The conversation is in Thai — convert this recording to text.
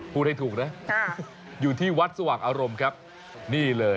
พูดให้ถูกนะอยู่ที่วัดสว่างอารมณ์